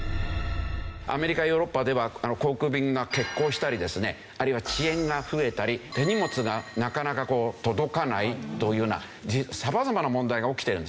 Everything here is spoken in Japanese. アメリカヨーロッパでは航空便が欠航したりですねあるいは遅延が増えたり手荷物がなかなか届かないというような様々な問題が起きてるんですね。